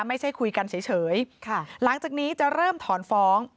ไม่ใช่คุยกันเฉยหลังจากนี้จะเริ่มถอนฟ้อง